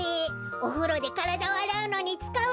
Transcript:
おふろでからだをあらうのにつかうやつ。